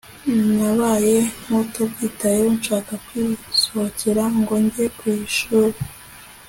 nabaye nkutabyitayeho nshaka kwisohokera ngo njye kwishuli